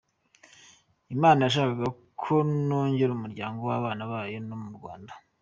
Imana yashakaga ko nongera umuryango w’abana bayo no mu Rwanda.